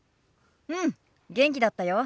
うん元気だったよ。